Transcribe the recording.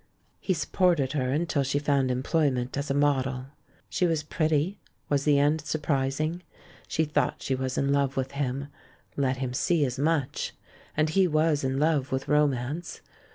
He supported her until she found employment S12 THE MAN WHO UNDERSTOOD WOMEN as a model. She was pretty; was the end sur prising? She thought she was in love with him — let him see as much — and he was in love with romance.